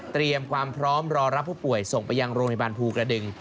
เตรียมความพร้อมรอรับผู้ป่วยส่งไปยังโรงพยาบาลภูกระดึง